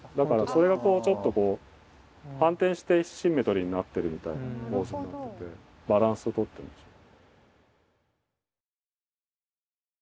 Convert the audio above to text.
それがちょっと反転してシンメトリーになってるみたいな構図になっててバランスを取ってるんですよ。